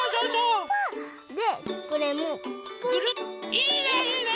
いいねいいね！